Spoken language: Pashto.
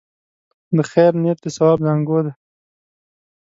د خیر نیت د ثواب زانګو ده.